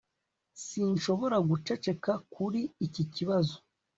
sinshobora guceceka kuri iki kibazo